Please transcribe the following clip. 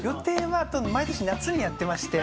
毎年、夏にやってまして。